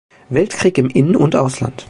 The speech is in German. Weltkrieg im In- und Ausland.